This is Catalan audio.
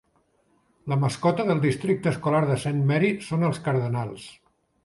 La mascota del districte escolar de Saint Mary són els "Cardenals".